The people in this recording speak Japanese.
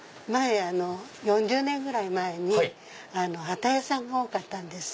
４０年ぐらい前に機屋さんが多かったです。